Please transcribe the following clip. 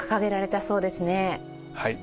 はい。